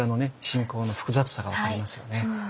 信仰の複雑さが分かりますよね。